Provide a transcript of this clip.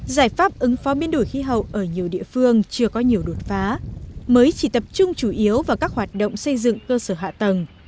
giải pháp ứng phó biến đổi khí hậu ở nhiều địa phương chưa có nhiều đột phá mới chỉ tập trung chủ yếu vào các hoạt động xây dựng cơ sở hạ tầng